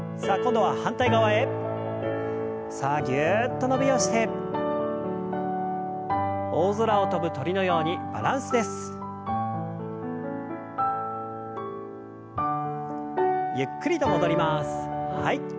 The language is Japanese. はい。